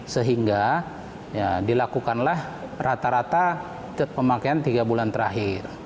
sehingga dilakukanlah rata rata pemakaian tiga bulan terakhir